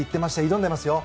挑んでますよ！